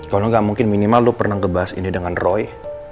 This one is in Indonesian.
kalau gak mungkin minimal lu pernah ngebahas ini dengan roy